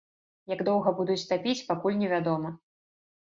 Як доўга будуць тапіць, пакуль не вядома.